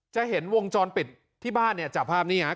จะเห็นวงจรปิดที่บ้านจับภาพนี้ครับ